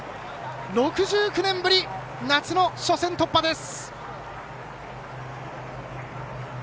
６９年ぶり、夏の初戦突破です。